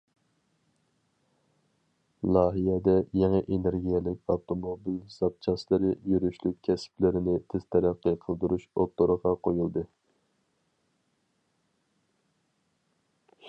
« لايىھە» دە يېڭى ئېنېرگىيەلىك ئاپتوموبىل زاپچاسلىرى يۈرۈشلۈك كەسىپلىرىنى تېز تەرەققىي قىلدۇرۇش ئوتتۇرىغا قويۇلدى.